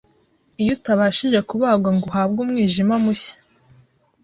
iyo utabashije kubagwa ngo uhabwe umwijima mushya